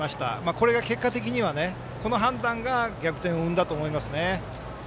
これが結果的には、この判断が逆転を生んだと思います。